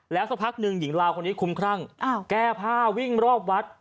สักพักหนึ่งหญิงลาวคนนี้คุ้มครั่งแก้ผ้าวิ่งรอบวัด